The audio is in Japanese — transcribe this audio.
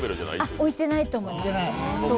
置いてないと思います。